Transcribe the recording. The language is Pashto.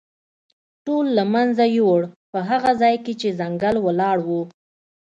ټول له منځه یووړ، په هغه ځای کې چې ځنګل ولاړ و.